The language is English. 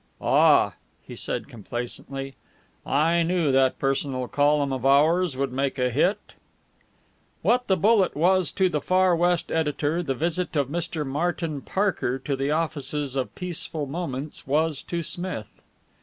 "Ah!" he said complacently, "I knew that personal column of ours would make a hit!" What the bullet was to the Far West editor, the visit of Mr. Martin Parker to the offices of Peaceful Moments was to Smith.